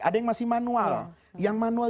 ada yang masih manual yang manual